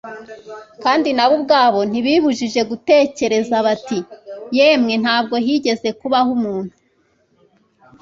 kandi nabo ubwabo ntibibujije gutekereza bati :« Yemwe ntabwo higeze kubaho umuntu